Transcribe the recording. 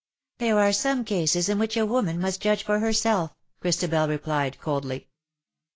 " There are some cases in which a woman must judge for herself/' Christabel replied,, coldly.